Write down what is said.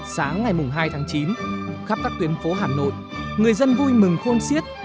sáng ngày hai tháng chín khắp các tuyến phố hà nội người dân vui mừng khôn siết